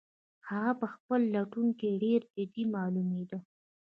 هغه په خپل لټون کې ډېر جدي معلومېده.